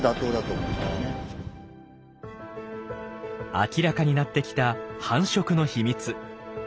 明らかになってきた繁殖の秘密。